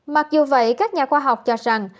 mặc dù vậy các nhà khoa học cho rằng